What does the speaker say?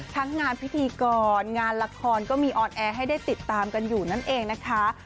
ทั้งงานพิธีกรงานละครก็มีออนแอร์ให้ได้ติดตามกันอยู่นั่นเองนะคะ